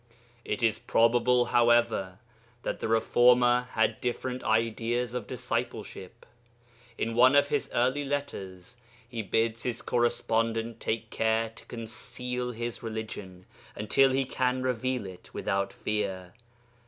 It is probable, however, that the reformer had different ideas of discipleship. In one of his early letters he bids his correspondent take care to conceal his religion until he can reveal it without fear.